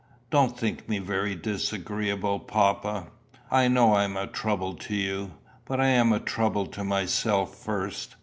"Don't think me very disagreeable, papa. I know I am a trouble to you. But I am a trouble to myself first.